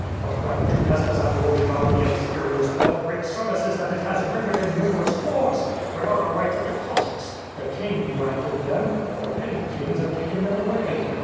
What gratitude has the Zaporojian army experienced for the great services that it has rendered in numerous wars? Where are the rights of the Cossacks? The king granted them; but the petty kings have taken them away.